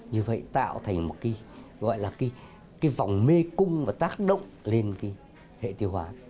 như vậy tạo thành một cái gọi là cái vòng mê cung và tác động lên cái hệ tiêu hóa